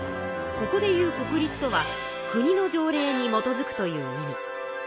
ここで言う国立とは国の条例にもとづくという意味。